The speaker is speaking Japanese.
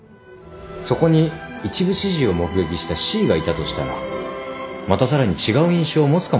そこに一部始終を目撃したＣがいたとしたらまたさらに違う印象を持つかもしれない。